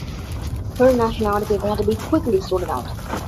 Her nationality papers had to be quickly sorted out.